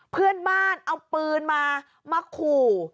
เพื่อนบ้านเอาปืนมามาขู่